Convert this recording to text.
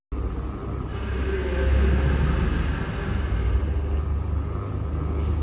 Toklǝǝah te nah kal suah dan.